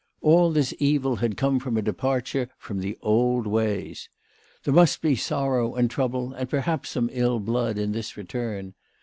All this evil had come from a departure from the old ways. There must he sorrow and trouble, and perhaps some ill blood, in this return.